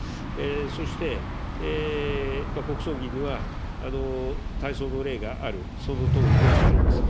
そして国葬儀には、大喪の礼がある、そのとおりであります。